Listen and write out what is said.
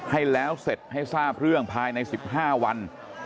ให้แล้วเสร็จให้ทราบเรื่องภายใน๑๕วัน